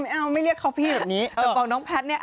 ไม่ไม่เรียกเขาพี่แบบนี้